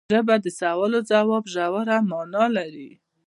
ژبه د سوال او ځواب ژوره معنی لري